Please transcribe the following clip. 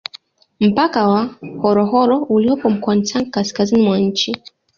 Mpaka wa Horohoro uliopo mkoani Tanga kaskazini mwa nchi